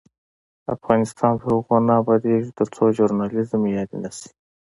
افغانستان تر هغو نه ابادیږي، ترڅو ژورنالیزم معیاري نشي.